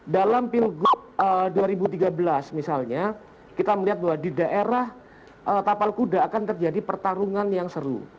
dalam pilgub dua ribu tiga belas misalnya kita melihat bahwa di daerah tapal kuda akan terjadi pertarungan yang seru